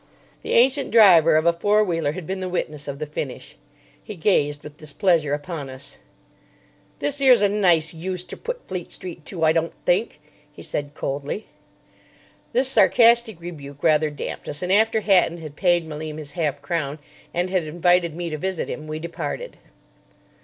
The ancient driver of a four wheeler had been the witness of the finish. He gazed with displeasure upon us. "This 'ere's a nice use ter put Fleet Street to, I don't think," he said coldly. This sarcastic rebuke rather damped us, and after Hatton had paid Malim his half crown, and had invited me to visit him, we departed.